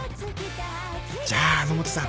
じゃあ野本さん